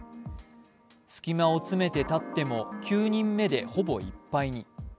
隙間を詰めて立っても９人目でほぼいっぱいに。